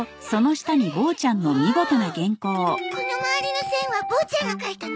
この周りの線はボーちゃんが描いたの？